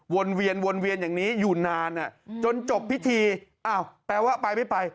วนเวียนวนเวียนอย่างนี้อยู่นานจนจบพิธีอ้าวแปลว่าไปไม่ไป